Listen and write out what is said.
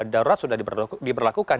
darurat sudah diberlakukan